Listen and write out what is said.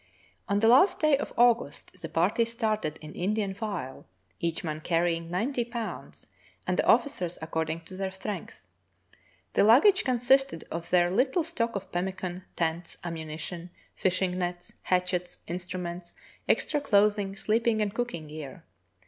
On the last day of August the party started in Indian file, each man carrying ninet}' pounds, and the officers according to their strength. The luggage consisted of their little stock of pemmican, tents, ammunition, fishing nets, hatchets, instruments, extra clothing, sleeping and cooking gear.